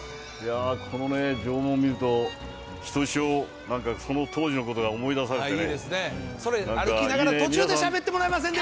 この城門見ると、ひとしお、なんかその当時のことが思い出されてね。